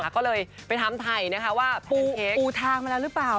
ก็เลยไปถามไทยนะคะว่าปูทางมาแล้วหรือเปล่า